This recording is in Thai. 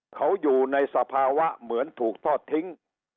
เขาอยู่ในสภาวะเหมือนถูกทอดทิ้ง